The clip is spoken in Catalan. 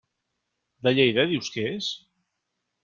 De Lleida dius que és?